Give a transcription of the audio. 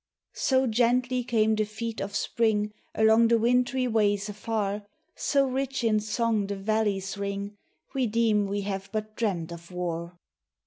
(So gently came the feet of Spring Along the wintry ways afar, So rich in song the valleys ring, We deem we have but dreamt of war.)